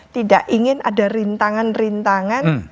tidak ingin ada rintangan rintangan